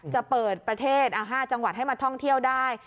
จะเปิดประเทศ๕จังหวัดให้มาท่องเที่ยวได้